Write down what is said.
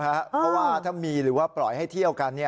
เพราะว่าถ้ามีหรือว่าปล่อยให้เที่ยวกัน